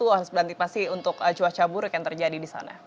harus berantipasi untuk cuaca buruk yang terjadi di sana